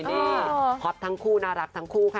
นี่ฮอตทั้งคู่น่ารักทั้งคู่ค่ะ